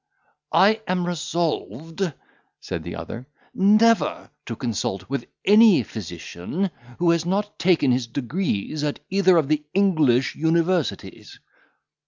"I am resolved," said the other, "never to consult with any physician who has not taken his degrees at either of the English universities."